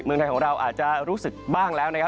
เมืองไทยของเราอาจจะรู้สึกบ้างแล้วนะครับ